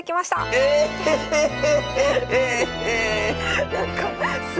ええ！